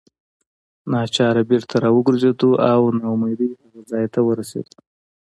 ناچاره بیرته راوګرځېدو او نا امیدۍ هغه ځای ته ورسېدو.